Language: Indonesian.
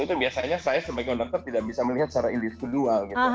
itu biasanya saya sebagai orang tersebut tidak bisa melihat secara individual